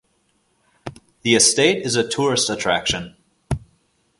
The estate is a tourist attraction.